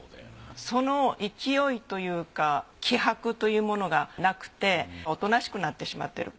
その勢いというか気迫というものがなくておとなしくなってしまってる。